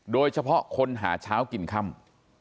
โดยเฉพาะคนหาเช้ากินค่ำ